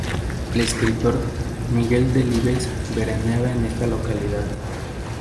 El escritor Miguel Delibes veraneaba en esta localidad.